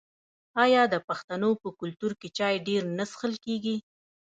آیا د پښتنو په کلتور کې چای ډیر نه څښل کیږي؟